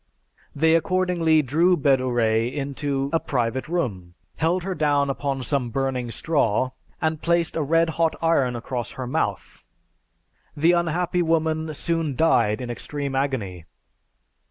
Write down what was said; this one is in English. They accordingly drew Bedouret into a private room, held her down upon some burning straw, and placed a red hot iron across her mouth. The unhappy woman soon died in extreme agony.